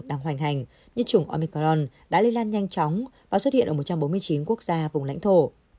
đang hoành hành như chủng omicron đã lây lan nhanh chóng và xuất hiện ở một trăm bốn mươi chín quốc gia vùng lãnh thổ